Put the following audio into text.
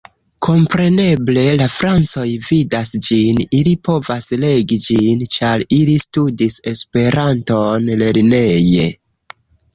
Kompreneble, la francoj vidas ĝin, ili povas legi ĝin, ĉar ili studis Esperanton lerneje.